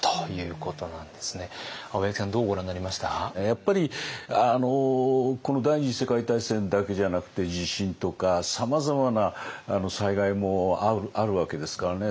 やっぱりこの第二次世界大戦だけじゃなくて地震とかさまざまな災害もあるわけですからね。